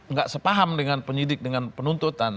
nggak sepaham dengan penyidik dengan penuntutan